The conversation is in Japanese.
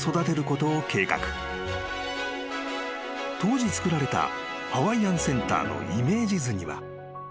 ［当時作られたハワイアンセンターのイメージ図には］